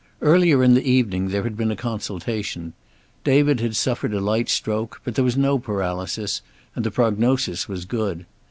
Earlier in the evening there had been a consultation; David had suffered a light stroke, but there was no paralysis, and the prognosis was good.